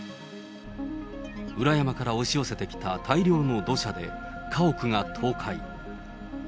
裏山から押し寄せてきた大量の土砂で、家屋が倒壊。